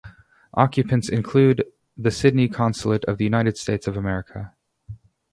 Occupants include the Sydney Consulate of the United States of America.